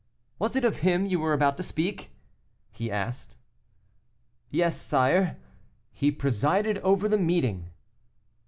"Was it of him you were about to speak?" he asked. "Yes, sire; he presided over the meeting."